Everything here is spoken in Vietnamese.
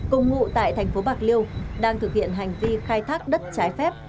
cùng ngụ tại thành phố bạc liêu đang thực hiện hành vi khai thác đất trái phép